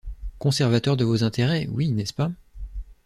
Conservateurs de vos intérêts, oui, n’est-ce pas?